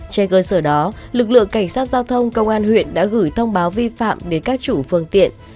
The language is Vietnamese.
trên cơ sở đó lực lượng cảnh sát giao thông công an huyện đã gửi thông báo vi phạm đến các chủ phương tiện